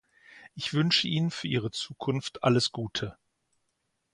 Ich wünsche Ihnen für Ihre Zukunft alles Gute.